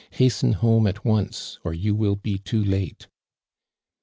Hasten home at once, or you will be too late!"